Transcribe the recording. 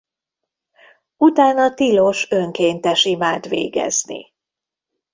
Utána tilos önkéntes imát végezni.